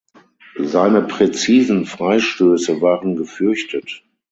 Seine präzisen Freistöße waren gefürchtet.